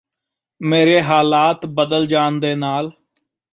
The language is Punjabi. ਮੇਰੇ ਹਾਲਾਤ ਬਦਲ ਜਾਣ ਦੇ ਨਾਲ